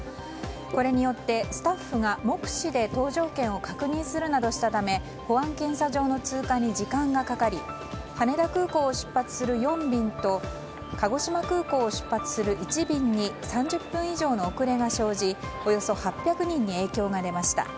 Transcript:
これによってスタッフが目視で搭乗券を確認するなどしたため保安検査場の通過に時間がかかり羽田空港を出発する４便と鹿児島空港を出発する１便に３０分以上の遅れが生じおよそ８００人に影響が出ました。